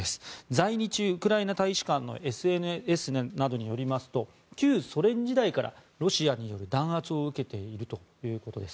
在日ウクライナ大使館のＳＮＳなどによりますと旧ソ連時代からロシアによる弾圧を受けているということです。